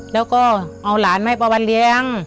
แล้วก็เอาหลานมาให้ป้าวันเลี้ยง